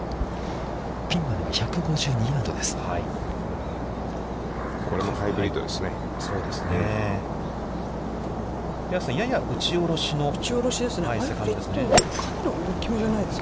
◆ピンまで１５２ヤードです。